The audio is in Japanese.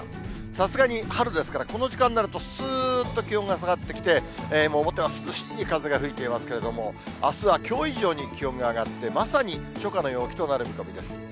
さすがに春ですから、この時間になるとすーっと気温が下がってきて、表は涼しい風が吹いていますけれども、あすはきょう以上に気温が上がって、まさに初夏の陽気となる見込みです。